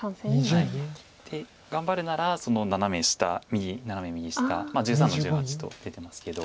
で頑張るならその右斜め下１３の十八と出てますけど。